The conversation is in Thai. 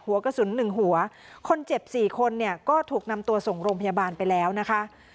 หัวกระสุนหนึ่งหัวคนเจ็บสี่คนเนี่ยก็ถูกนำตัวส่งโรงพยาบาลไปแล้วนะคะ